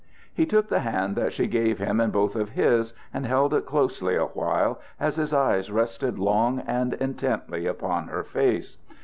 He took the hand that she gave him in both of his, and held it closely a while as his eyes rested long and intently upon her face.